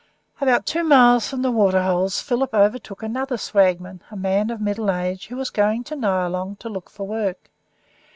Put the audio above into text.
About two miles from the Waterholes Philip overtook another swagman, a man of middle age, who was going to Nyalong to look for work.